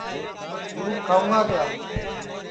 سُوپ کھاؤں گا